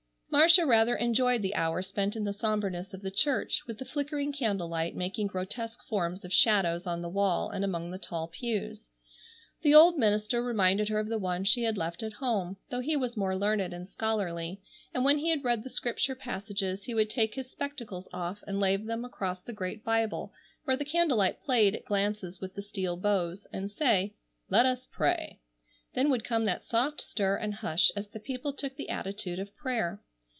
Marcia rather enjoyed the hour spent in the sombreness of the church, with the flickering candle light making grotesque forms of shadows on the wall and among the tall pews. The old minister reminded her of the one she had left at home, though he was more learned and scholarly, and when he had read the Scripture passages he would take his spectacles off and lay them across the great Bible where the candle light played at glances with the steel bows, and say: "Let us pray!" Then would come that soft stir and hush as the people took the attitude of prayer.